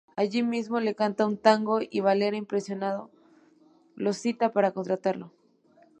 Allí mismo le canta un tango, y Varela, impresionado, lo cita para contratarlo.